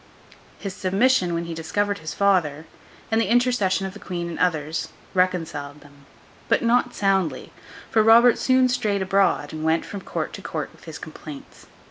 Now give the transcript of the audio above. His submission when he discovered his father, and the intercession of the queen and others, reconciled them; but not soundly; for Robert soon strayed abroad, and went from court to court with his complaints.